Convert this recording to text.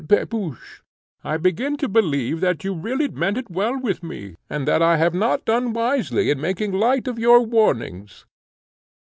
Pepusch, I begin to believe that you really meant it well with me, and that I have not done wisely in making light of your warnings."